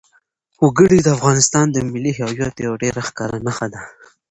وګړي د افغانستان د ملي هویت یوه ډېره ښکاره نښه ده.